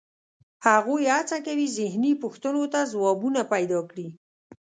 هغوی هڅه کوي ذهني پوښتنو ته ځوابونه پیدا کړي.